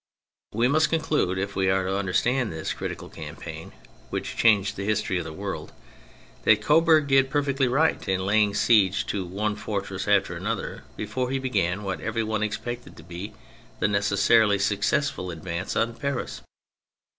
We must con clude, if we are to understand this critical campaign which changed the history of the world, that Coburg did perfectly right in laying siege to one fortress after another before he began what every one expected to be the necessarily successful advance on Paris.